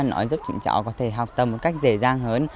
nó giúp chúng cháu có thể học tầm một cách dễ dàng hơn